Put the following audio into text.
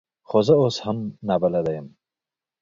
خو زه اوس هم نابلده یم .